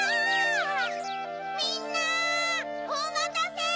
みんなおまたせ！